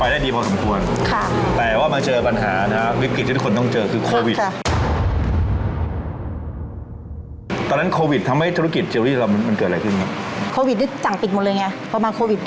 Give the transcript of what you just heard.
เรียกว่าธุรกิจก็ไปได้ดีพอสมควร